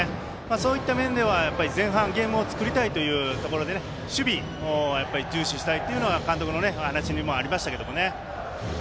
そういった面では前半ゲームを作りたいというところで守備を重視したいというのが監督のお話にもありましたけども。